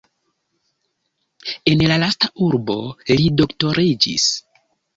En la lasta urbo li doktoriĝis.